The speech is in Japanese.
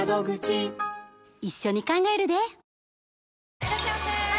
いらっしゃいませ！